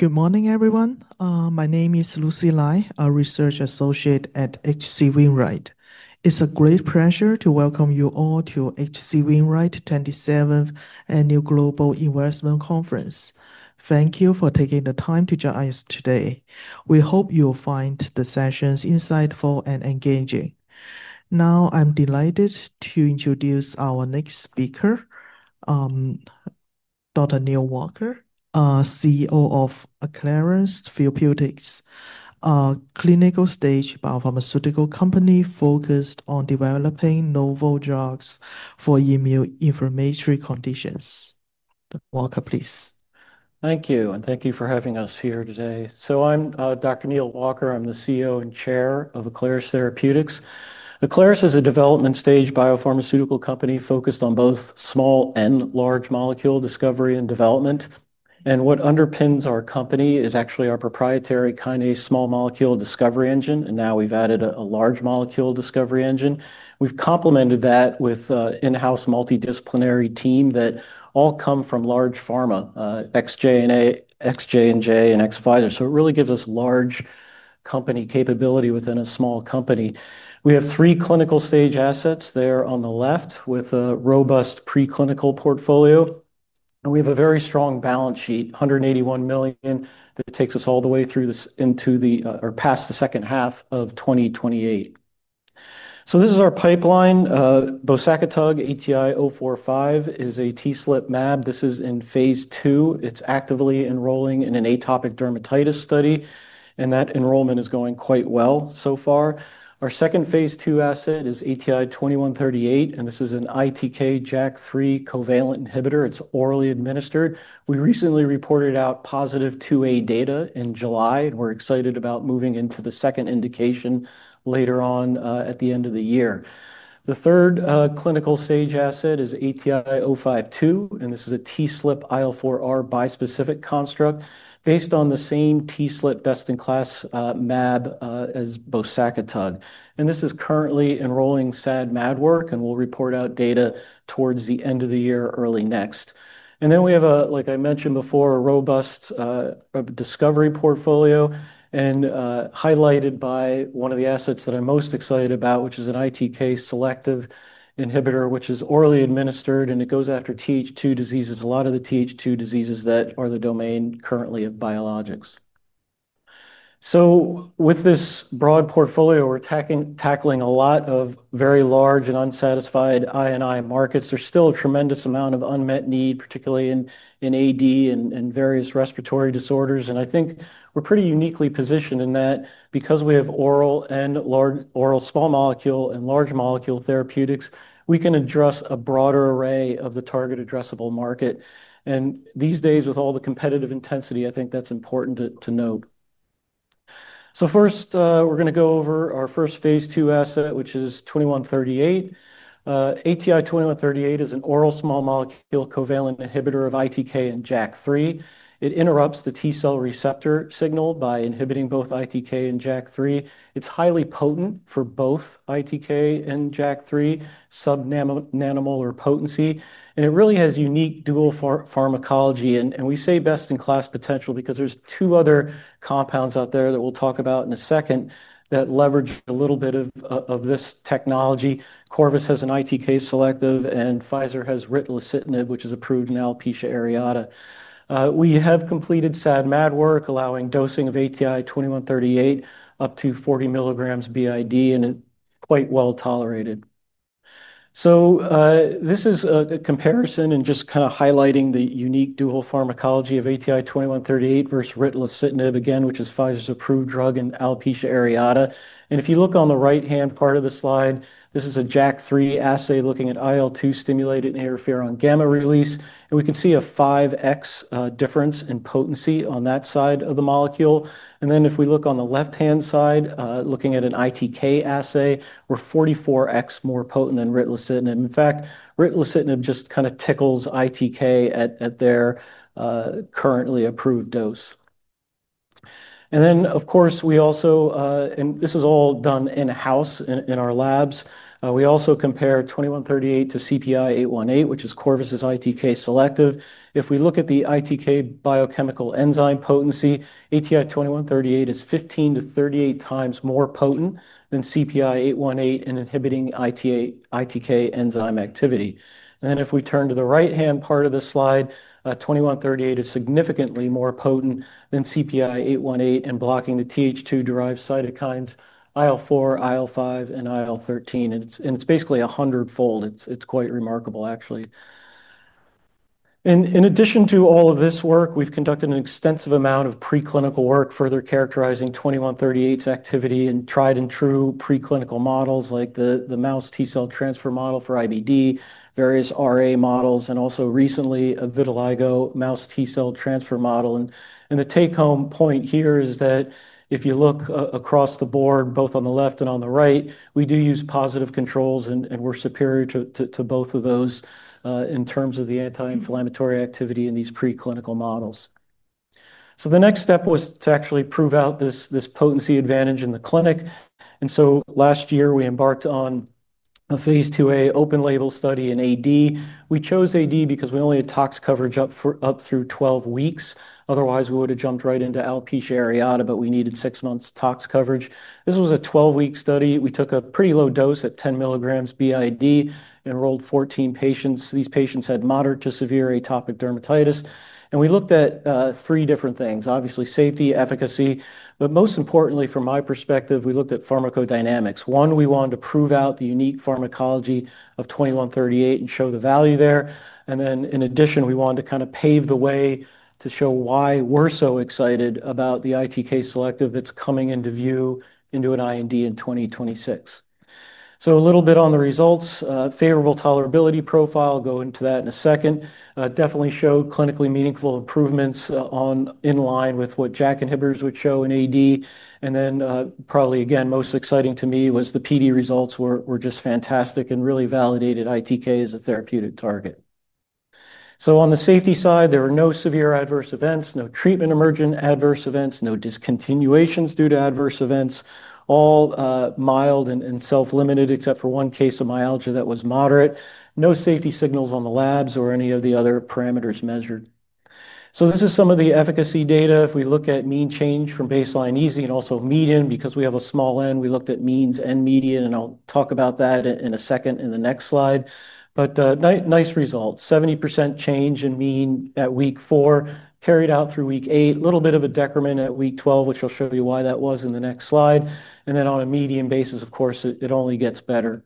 Good morning, everyone. My name is Lucy Lai, a Research Associate at H.C. Wainwright. It's a great pleasure to welcome you all to H.C. Wainwright's 27th Annual Global Investment Conference. Thank you for taking the time to join us today. We hope you'll find the sessions insightful and engaging. Now, I'm delighted to introduce our next speaker, Dr. Neal Walker, CEO of Aclaris Therapeutics, a clinical-stage biopharmaceutical company focused on developing novel drugs for immuno-inflammatory conditions. Walker, please. Thank you, and thank you for having us here today. I'm Dr. Neal Walker. I'm the CEO and Chair of Aclaris Therapeutics. Aclaris is a development stage biopharmaceutical company focused on both small and large molecule discovery and development. What underpins our company is actually our proprietary kinase small molecule discovery engine. Now we've added a large molecule discovery engine. We've complemented that with an in-house multidisciplinary team that all come from large pharma: ex-J&J and ex-Pfizer. It really gives us large company capability within a small company. We have three clinical stage assets there on the left with a robust preclinical portfolio. We have a very strong balance sheet, $181 million, that takes us all the way through into or past the second half of 2028. This is our pipeline. ATI-045 (Bosacitab) is a TSLP monoclonal antibody. This is in Phase 2. It's actively enrolling in an atopic dermatitis study, and that enrollment is going quite well so far. Our second Phase 2 asset is ATI-2138, and this is an ITK/JAK3 covalent inhibitor. It's orally administered. We recently reported out positive 2A data in July, and we're excited about moving into the second indication later on at the end of the year. The third clinical stage asset is ATI-052, and this is a TSLP/IL4R bispecific construct based on the same TSLP best-in-class monoclonal antibody as ATI-045 (Bosacitab). This is currently enrolling SAD-MAD work, and we'll report out data towards the end of the year, early next. We have, like I mentioned before, a robust discovery portfolio highlighted by one of the assets that I'm most excited about, which is an ITK-selective inhibitor, which is orally administered, and it goes after Th2 diseases, a lot of the Th2 diseases that are the domain currently of biologics. With this broad portfolio, we're tackling a lot of very large and unsatisfied immuno-inflammatory markets. There's still a tremendous amount of unmet need, particularly in atopic dermatitis and various respiratory disorders. I think we're pretty uniquely positioned in that because we have oral small molecule and large molecule therapeutics, we can address a broader array of the target addressable market. These days, with all the competitive intensity, I think that's important to note. First, we're going to go over our first Phase 2 asset, which is ATI-2138. ATI-2138 is an oral small molecule covalent inhibitor of ITK and JAK3. It interrupts the T-cell receptor signal by inhibiting both ITK and JAK3. It's highly potent for both ITK and JAK3, sub-nanomolar potency, and it really has unique dual pharmacology. We say best-in-class potential because there's two other compounds out there that we'll talk about in a second that leverage a little bit of this technology. Corvus has an ITK-selective, and Pfizer has ritlecitinib, which is approved in alopecia areata. We have completed SAD-MAD work, allowing dosing of ATI-2138 up to 40 milligrams b.i.d., and it's quite well tolerated. This is a comparison and just kind of highlighting the unique dual pharmacology of ATI-2138 versus ritlecitinib, again, which is Pfizer's approved drug in alopecia areata. If you look on the right-hand part of the slide, this is a JAK3 assay looking at IL2-stimulated interferon gamma release. We can see a 5x difference in potency on that side of the molecule. If we look on the left-hand side, looking at an ITK assay, we're 44x more potent than ritlecitinib. In fact, ritlecitinib just kind of tickles ITK at their currently approved dose. Of course, we also, and this is all done in-house in our labs, we also compare ATI-2138 to CPI-818, which is Corvus's ITK-selective. If we look at the ITK biochemical enzyme potency, ATI-2138 is 15 to 38 times more potent than CPI-818 in inhibiting ITK enzyme activity. If we turn to the right-hand part of the slide, ATI-2138 is significantly more potent than CPI-818 in blocking the Th2-derived cytokines, IL4, IL5, and IL13. It's basically a hundredfold. It's quite remarkable, actually. In addition to all of this work, we've conducted an extensive amount of preclinical work further characterizing ATI-2138's activity in tried and true preclinical models like the mouse T-cell transfer model for IBD, various RA models, and also recently a vitiligo mouse T-cell transfer model. The take-home point here is that if you look across the board, both on the left and on the right, we do use positive controls, and we're superior to both of those in terms of the anti-inflammatory activity in these preclinical models. The next step was to actually prove out this potency advantage in the clinic. Last year, we embarked on a Phase 2A open-label study in atopic dermatitis. We chose atopic dermatitis because we only had tox coverage up through 12 weeks. Otherwise, we would have jumped right into alopecia areata, but we needed six months tox coverage. This was a 12-week study. We took a pretty low dose at 10 milligrams b.i.d. and enrolled 14 patients. These patients had moderate to severe atopic dermatitis. We looked at three different things, obviously safety, efficacy, but most importantly, from my perspective, we looked at pharmacodynamics. One, we wanted to prove out the unique pharmacology of ATI-2138 and show the value there. In addition, we wanted to kind of pave the way to show why we're so excited about the ITK-selective that's coming into view into an IND in 2026. A little bit on the results, favorable tolerability profile, go into that in a second. Definitely showed clinically meaningful improvements in line with what JAK inhibitors would show in AD. Probably, again, most exciting to me was the PD results were just fantastic and really validated ITK as a therapeutic target. On the safety side, there were no severe adverse events, no treatment emergent adverse events, no discontinuations due to adverse events, all mild and self-limited except for one case of myalgia that was moderate. No safety signals on the labs or any of the other parameters measured. This is some of the efficacy data. If we look at mean change from baseline EASI and also median, because we have a small N, we looked at means and median, and I'll talk about that in a second in the next slide. Nice results, 70% change in mean at week four, carried out through week eight, a little bit of a decrement at week 12, which I'll show you why that was in the next slide. On a median basis, of course, it only gets better.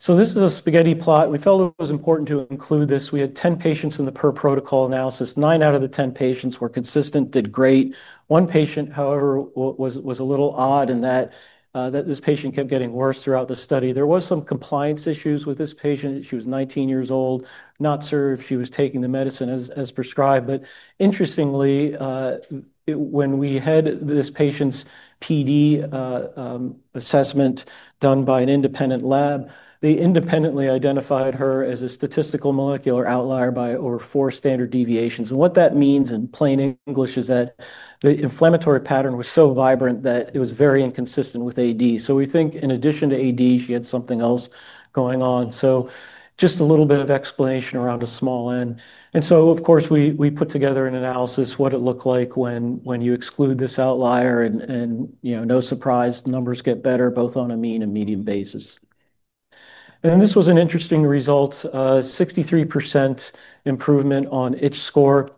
This is a spaghetti plot. We felt it was important to include this. We had 10 patients in the per protocol analysis. Nine out of the 10 patients were consistent, did great. One patient, however, was a little odd in that this patient kept getting worse throughout the study. There were some compliance issues with this patient. She was 19 years old, not sure she was taking the medicine as prescribed. Interestingly, when we had this patient's PD assessment done by an independent lab, they independently identified her as a statistical molecular outlier by over four standard deviations. What that means in plain English is that the inflammatory pattern was so vibrant that it was very inconsistent with atopic dermatitis. We think in addition to atopic dermatitis, she had something else going on. Just a little bit of explanation around a small N. Of course, we put together an analysis of what it looked like when you exclude this outlier. No surprise, numbers get better both on a mean and median basis. This was an interesting result, 63% improvement on itch score.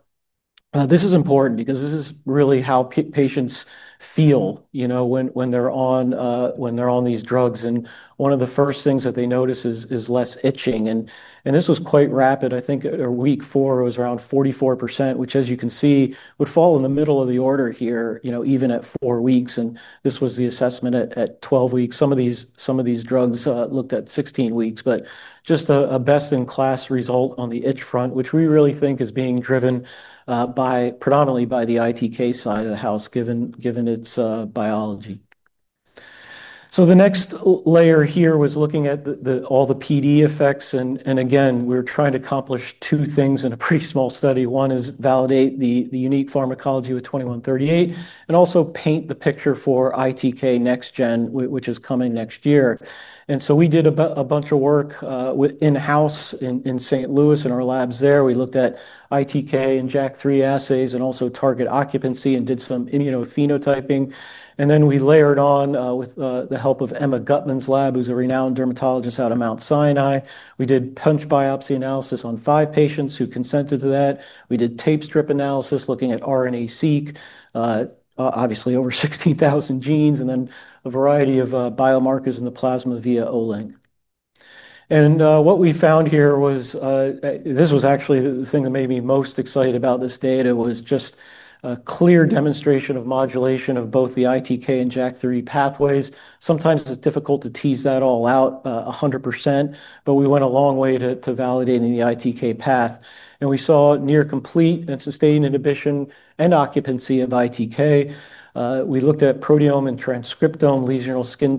This is important because this is really how patients feel, you know, when they're on these drugs. One of the first things that they notice is less itching. This was quite rapid. I think at week four, it was around 44%, which as you can see, would fall in the middle of the order here, even at four weeks. This was the assessment at 12 weeks. Some of these drugs looked at 16 weeks, but just a best-in-class result on the itch front, which we really think is being driven predominantly by the ITK side of the house, given its biology. The next layer here was looking at all the PD effects. Again, we're trying to accomplish two things in a pretty small study. One is validate the unique pharmacology with ATI-2138 and also paint the picture for ITK next gen, which is coming next year. We did a bunch of work in-house in St. Louis in our labs there. We looked at ITK and JAK3 assays and also target occupancy and did some immunophenotyping. Then we layered on with the help of Emma Gutman's lab, who's a renowned dermatologist out of Mount Sinai. We did punch biopsy analysis on five patients who consented to that. We did tape strip analysis looking at RNA-seq, obviously over 16,000 genes, and then a variety of biomarkers in the plasma via O-link. What we found here was, this was actually the thing that made me most excited about this data, just a clear demonstration of modulation of both the ITK and JAK3 pathways. Sometimes it's difficult to tease that all out 100%, but we went a long way to validating the ITK path. We saw near complete and sustained inhibition and occupancy of ITK. We looked at proteome and transcriptome lesional skin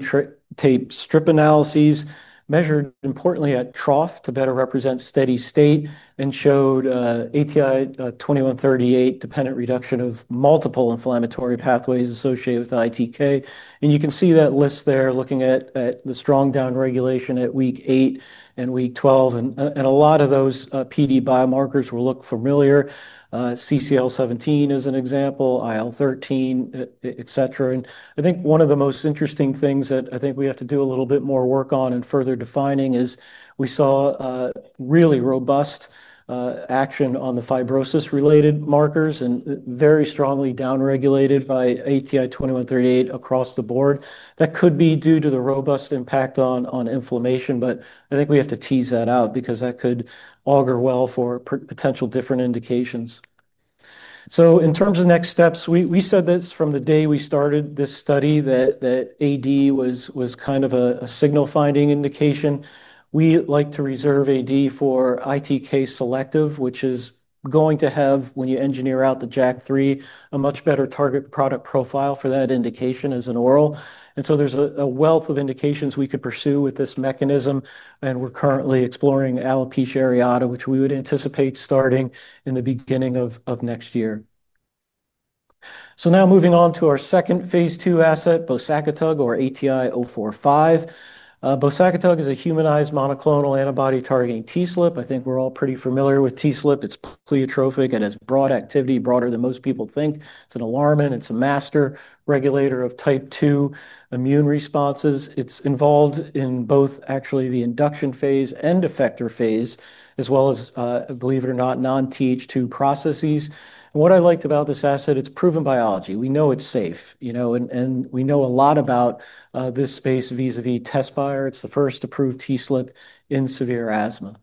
tape strip analyses, measured importantly at trough to better represent steady state, and showed ATI-2138 dependent reduction of multiple inflammatory pathways associated with ITK. You can see that list there looking at the strong down regulation at week eight and week 12. A lot of those PD biomarkers will look familiar. CCL17 is an example, IL-13, et cetera. I think one of the most interesting things that we have to do a little bit more work on and further defining is we saw really robust action on the fibrosis-related markers and very strongly down-regulated by ATI-2138 across the board. That could be due to the robust impact on inflammation, but I think we have to tease that out because that could augur well for potential different indications. In terms of next steps, we said this from the day we started this study that atopic dermatitis was kind of a signal-finding indication. We like to reserve atopic dermatitis for ITK-selective, which is going to have, when you engineer out the JAK3, a much better target product profile for that indication as an oral. There is a wealth of indications we could pursue with this mechanism. We're currently exploring alopecia areata, which we would anticipate starting in the beginning of next year. Now moving on to our second Phase 2 asset, ATI-045 (Bosacitab). Bosacitab is a humanized monoclonal antibody targeting TSLP. I think we're all pretty familiar with TSLP. It's pleiotropic. It has broad activity, broader than most people think. It's an alarmin and it's a master regulator of type 2 immune responses. It's involved in both actually the induction phase and effector phase, as well as, believe it or not, non-Th2 processes. What I liked about this asset, it's proven biology. We know it's safe, you know, and we know a lot about this space vis-à-vis Tezspire. It's the first approved TSLP in severe asthma.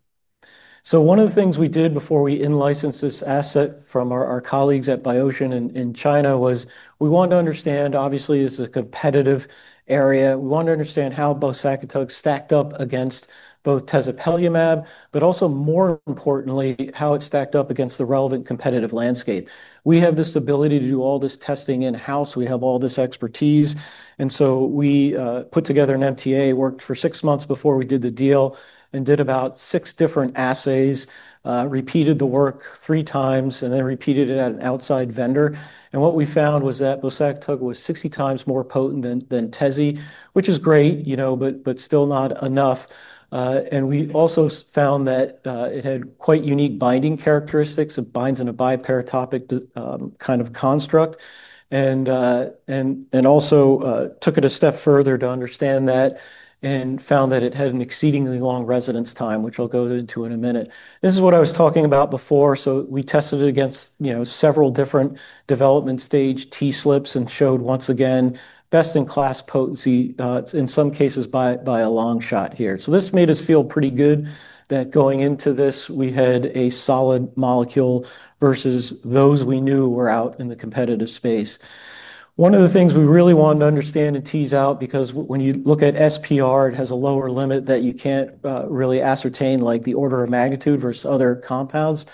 One of the things we did before we in-licensed this asset from our colleagues at BioSheng in China was we wanted to understand, obviously, it's a competitive area. We wanted to understand how Bosacitab stacked up against both Tezspire, but also more importantly, how it stacked up against the relevant competitive landscape. We have this ability to do all this testing in-house. We have all this expertise. We put together an MTA, worked for six months before we did the deal, and did about six different assays, repeated the work three times, and then repeated it at an outside vendor. What we found was that Bosacitab was 60 times more potent than Tezspire, which is great, you know, but still not enough. We also found that it had quite unique binding characteristics. It binds in a biparatopic kind of construct. We also took it a step further to understand that and found that it had an exceedingly long residence time, which I'll go into in a minute. This is what I was talking about before. We tested it against several different development stage TSLPs and showed once again best-in-class potency, in some cases by a long shot here. This made us feel pretty good that going into this, we had a solid molecule versus those we knew were out in the competitive space. One of the things we really wanted to understand and tease out, because when you look at SPR, it has a lower limit that you can't really ascertain, like the order of magnitude versus other compounds.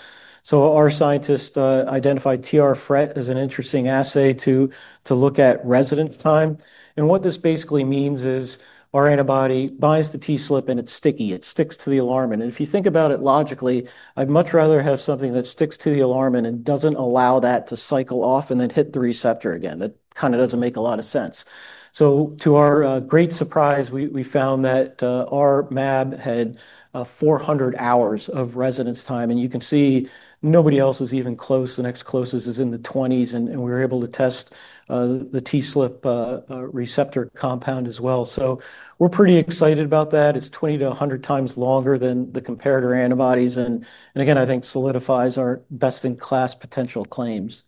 Our scientists identified TRFRET as an interesting assay to look at residence time. What this basically means is our antibody binds to TSLP and it's sticky. It sticks to the alarm and if you think about it logically, I'd much rather have something that sticks to the alarm and doesn't allow that to cycle off and then hit the receptor again. That kind of doesn't make a lot of sense. To our great surprise, we found that our monoclonal antibody had 400 hours of residence time. You can see nobody else is even close. The next closest is in the 20s. We were able to test the TSLP receptor compound as well. We're pretty excited about that. It's 20 to 100 times longer than the comparator antibodies. I think this solidifies our best-in-class potential claims.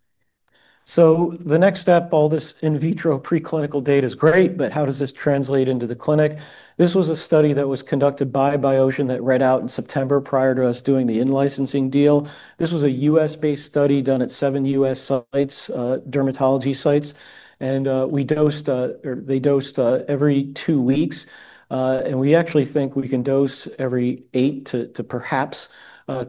The next step, all this in vitro preclinical data is great, but how does this translate into the clinic? This was a study that was conducted by BioSheng that read out in September prior to us doing the in-licensing deal. This was a U.S.-based study done at seven U.S. dermatology sites. We dosed, or they dosed, every two weeks. We actually think we can dose every eight to perhaps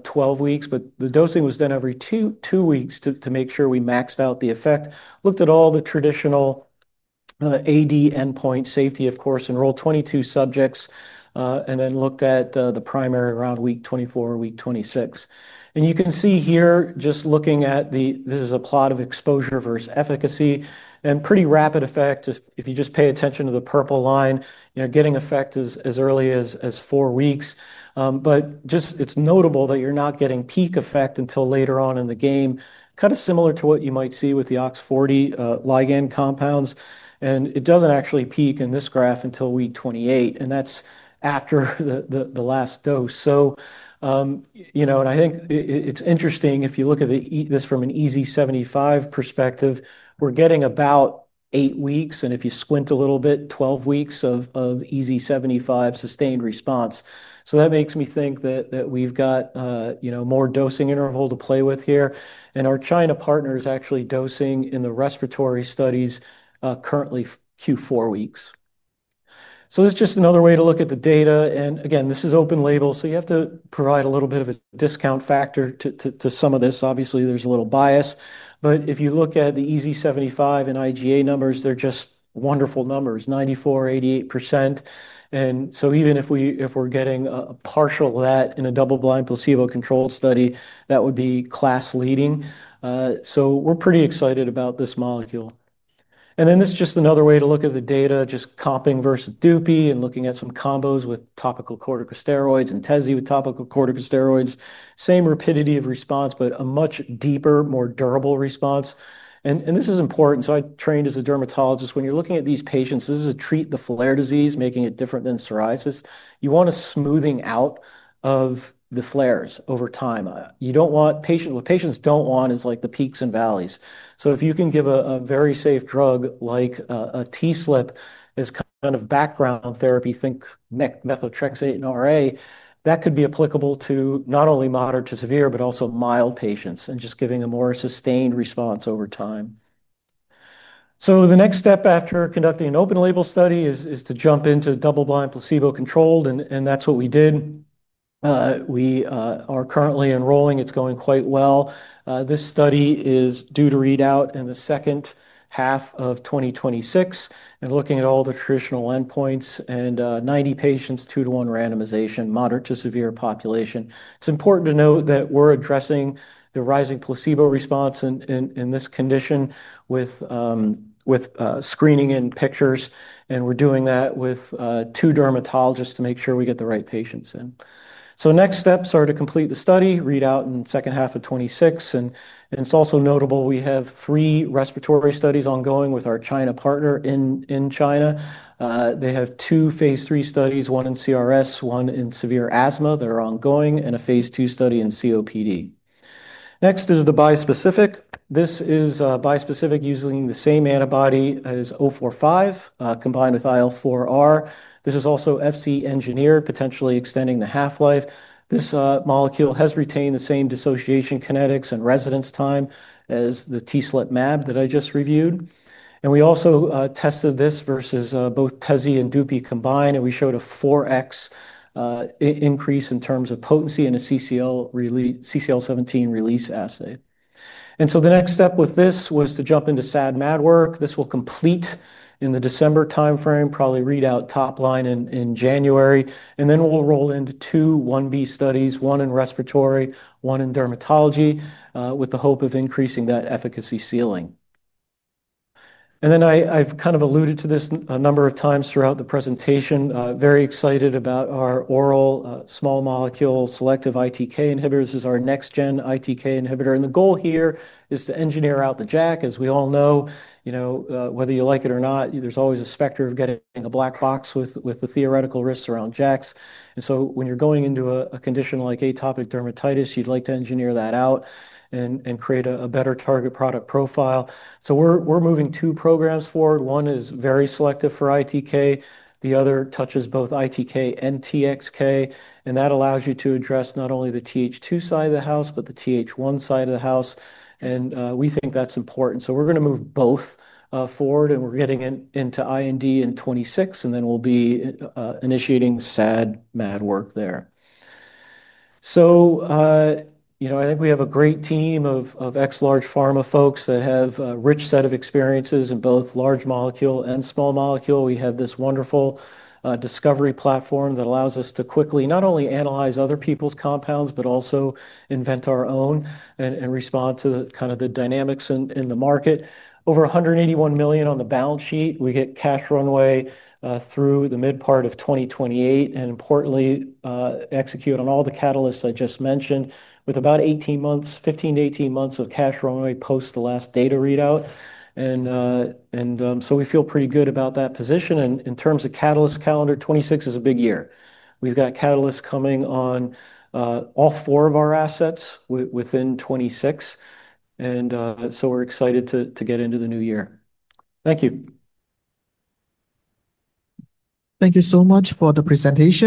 12 weeks, but the dosing was done every two weeks to make sure we maxed out the effect. Looked at all the traditional atopic dermatitis endpoint safety, of course, enrolled 22 subjects, and then looked at the primary around week 24 or week 26. You can see here, just looking at the, this is a plot of exposure versus efficacy and pretty rapid effect. If you just pay attention to the purple line, getting effect is as early as four weeks. It's notable that you're not getting peak effect until later on in the game, kind of similar to what you might see with the OX40 ligand compounds. It doesn't actually peak in this graph until week 28, and that's after the last dose. I think it's interesting if you look at this from an EZ75 perspective, we're getting about eight weeks, and if you squint a little bit, 12 weeks of EZ75 sustained response. That makes me think that we've got more dosing interval to play with here. Our China partner is actually dosing in the respiratory studies currently Q4 weeks. This is just another way to look at the data. Again, this is open label, so you have to provide a little bit of a discount factor to some of this. Obviously, there's a little bias. If you look at the EZ75 and IGA numbers, they're just wonderful numbers, 94%, 88%. Even if we're getting a partial of that in a double-blind, placebo-controlled study, that would be class leading. We're pretty excited about this molecule. This is just another way to look at the data, just comping versus dupy and looking at some combos with topical corticosteroids and Tezspire with topical corticosteroids. Same rapidity of response, but a much deeper, more durable response. This is important. I trained as a dermatologist. When you're looking at these patients, this is a treat the flare disease, making it different than psoriasis. You want a smoothing out of the flares over time. What patients don't want is the peaks and valleys. If you can give a very safe drug like a TSLP as kind of background therapy, think methotrexate in RA, that could be applicable to not only moderate to severe, but also mild patients and just giving a more sustained response over time. The next step after conducting an open-label study is to jump into double-blind, placebo-controlled. That's what we did. We are currently enrolling. It's going quite well. This study is due to read out in the second half of 2026. Looking at all the traditional endpoints and 90 patients, two-to-one randomization, moderate to severe population. It's important to note that we're addressing the rising placebo response in this condition with screening and pictures. We're doing that with two dermatologists to make sure we get the right patients in. Next steps are to complete the study, read out in the second half of 2026. It's also notable we have three respiratory studies ongoing with our China partner in China. They have two Phase 3 studies, one in CRS, one in severe asthma that are ongoing, and a Phase 2 study in COPD. Next is the bispecific. This is a bispecific using the same antibody as ATI-045 combined with IL4R. This is also Fc engineered, potentially extending the half-life. This molecule has retained the same dissociation kinetics and residence time as the TSLP monoclonal antibody that I just reviewed. We also tested this versus both Tezspire and dupilumab combined, and we showed a 4x increase in terms of potency in a CCL17 release assay. The next step with this was to jump into SAD-MAD work. This will complete in the December timeframe, probably read out top line in January. We'll roll into two 1B studies, one in respiratory, one in dermatology, with the hope of increasing that efficacy ceiling. I've alluded to this a number of times throughout the presentation. Very excited about our oral small molecule selective ITK inhibitors as our next-gen ITK inhibitor. The goal here is to engineer out the JAK. As we all know, whether you like it or not, there's always a specter of getting a black box with the theoretical risks around JAKs. When you're going into a condition like atopic dermatitis, you'd like to engineer that out and create a better target product profile. We're moving two programs forward. One is very selective for ITK. The other touches both ITK and TXK, and that allows you to address not only the Th2 side of the house, but the Th1 side of the house. We think that's important. We're going to move both forward, and we're getting into IND in 2026. We'll be initiating SAD-MAD work there. I think we have a great team of ex-large pharma folks that have a rich set of experiences in both large molecule and small molecule. We have this wonderful discovery platform that allows us to quickly not only analyze other people's compounds, but also invent our own and respond to the dynamics in the market. Over $181 million on the balance sheet. We get cash runway through the mid-part of 2028. Importantly, execute on all the catalysts I just mentioned with about 15 to 18 months of cash runway post the last data readout. We feel pretty good about that position. In terms of catalyst calendar, 2026 is a big year. We've got catalysts coming on all four of our assets within 2026. We're excited to get into the new year. Thank you. Thank you so much for the presentation.